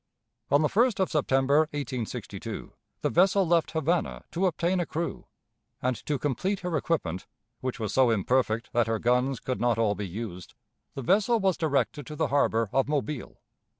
On the 1st of September, 1862, the vessel left Havana to obtain a crew; and, to complete her equipment, which was so imperfect that her guns could not all be used, the vessel was directed to the harbor of Mobile.